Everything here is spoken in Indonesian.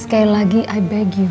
sekali lagi i beg you